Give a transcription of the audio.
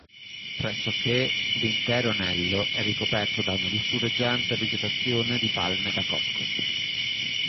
Pressoché l'intero anello è ricoperto da una lussureggiante vegetazione di palme da cocco.